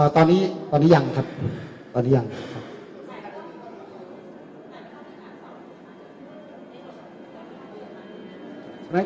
ตอนนี้ตอนนี้ยังครับตอนนี้ยังครับ